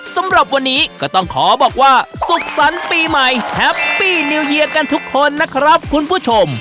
สำหรับวันนี้ก็ต้องขอบอกว่าสุขสรรค์ปีใหม่แฮปปี้นิวเยียร์กันทุกคนนะครับคุณผู้ชม